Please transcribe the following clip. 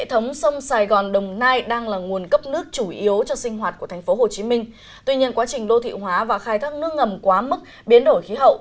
tuy nhiên quá trình lô thị hóa và khai thác nước ngầm quá mức biến đổi khí hậu